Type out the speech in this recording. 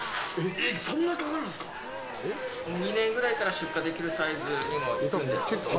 ２年ぐらいから出荷できるサイズになるんですけど。